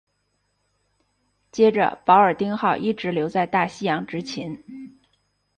接着保尔丁号一直留在大西洋执勤。